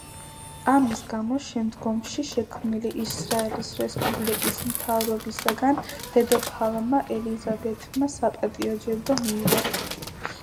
ამის გამო შემდგომში შექმნილი ისრაელის რესპუბლიკის მთავრობისაგან დედოფალმა ელიზაბეთმა საპატიო ჯილდო მიიღო.